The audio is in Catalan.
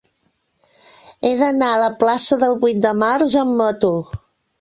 He d'anar a la plaça del Vuit de Març amb moto.